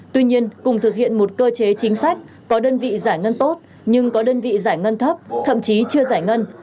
tuy nhiên cùng thực hiện một cơ chế chính sách có đơn vị giải ngân tốt nhưng có đơn vị giải ngân thấp thậm chí chưa giải ngân